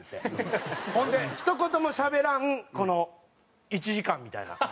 ほんでひと言もしゃべらんこの１時間みたいな。